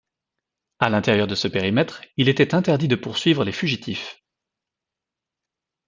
À l'intérieur de ce périmètre, il était interdit de poursuivre les fugitifs.